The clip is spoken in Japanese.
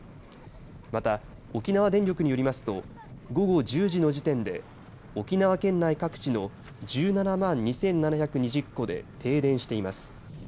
また、沖縄電力によりますと午後１０時の時点で沖縄県内各地の１７万２７２０戸で停電しています。